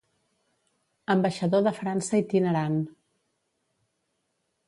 Ambaixador de França itinerant.